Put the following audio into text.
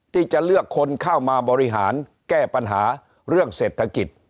ที่จะเลือกคนเข้ามาบริหารแก้ปัญหาเรื่องเศรษฐกิจ